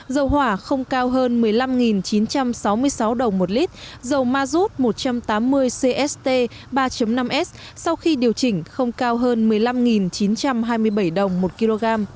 dầu hỏa không cao hơn một mươi năm chín trăm sáu mươi sáu đồng một lít dầu mazut một trăm tám mươi cst ba năm s sau khi điều chỉnh không cao hơn một mươi năm chín trăm hai mươi bảy đồng một kg